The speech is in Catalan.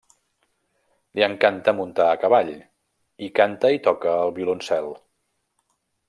Li encanta muntar a cavall, i canta i toca el violoncel.